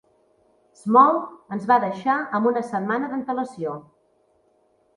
Small ens va deixar amb una setmana d'antelació.